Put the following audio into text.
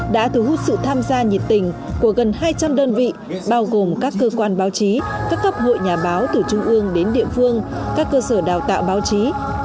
đã thu hút sự tham gia nhiệt tình của gần hai trăm linh đơn vị bao gồm các cơ quan báo chí các cấp hội nhà báo từ trung ương đến địa phương các cơ sở đào tạo báo chí